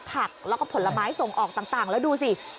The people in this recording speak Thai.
ผักแล้วก็ผลไม้ส่งออกต่างแล้วดูสิ